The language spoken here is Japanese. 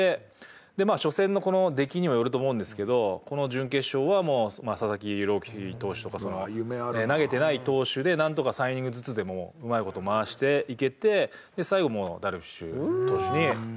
で初戦の出来にもよると思うんですけどこの準決勝は佐々木朗希投手とか投げてない投手でなんとか３イニングずつでもうまい事回していけて最後ダルビッシュ投手に頑張ってもらう。